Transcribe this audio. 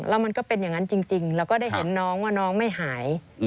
แล้วมันก็เป็นอย่างนั้นจริงแล้วก็ได้เห็นน้องว่าน้องไม่หาย